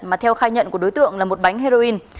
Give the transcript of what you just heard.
mà theo khai nhận của đối tượng là một bánh heroin